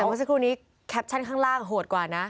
แต่เมื่อสักครู่นี้แคปชั่นข้างล่างโหดกว่านะ